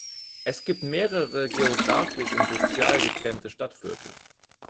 Es gibt mehrere geographisch und sozial getrennte Stadtviertel.